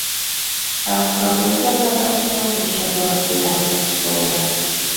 ntakabuza na gato Ushobora kuyandukura